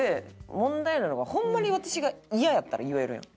問題なのがホンマに私がイヤやったら言えるやん。